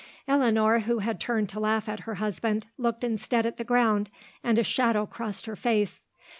Eleanor, who had turned to laugh at her husband, looked instead at the ground and a shadow crossed her face.